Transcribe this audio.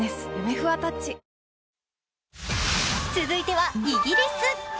続いてはイギリス。